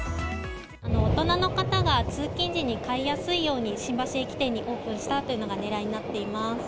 大人の方が通勤時に買いやすいように、新橋駅にオープンしたというのがねらいになっています。